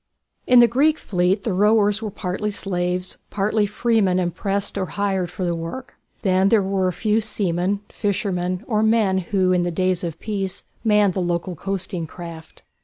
In the Greek fleet the rowers were partly slaves, partly freemen impressed or hired for the work. Then there were a few seamen, fishermen, or men who in the days of peace manned the local coasting craft.